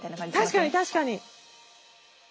確かに確かに。